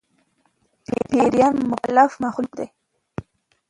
پيريان مکلف مخلوق دي